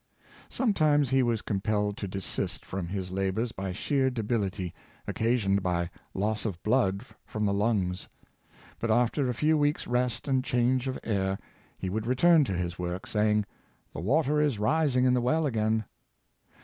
Sometimes he was compelled to desist from his la bors by sheer debility, occasioned by loss of blood from the lungs; but after a few weeks' rest and change of air, he would return to his work, saying: " The water is rising in the well again!"